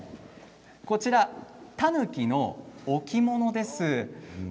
こちら、たぬきの置物です。